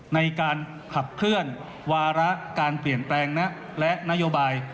ในการขับเคลื่อนวาระการเปลี่ยนแปลงนะและนโยบาย